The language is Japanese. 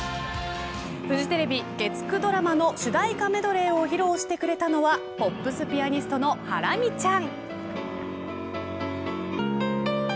フジテレビ月９ドラマの主題歌メドレーを披露してくれたのはポップスピアニストのハラミちゃん。